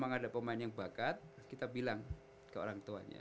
kalau ada pemain yang bakat kita bilang ke orang tuanya